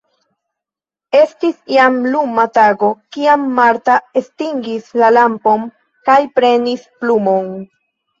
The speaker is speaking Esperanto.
Estis jam luma tago, kiam Marta estingis la lampon kaj prenis plumon.